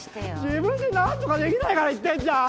自分で何とかできないから言ってんじゃん。